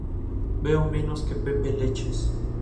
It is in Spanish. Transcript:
Veo menos que Pepe Leches